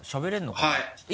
はい。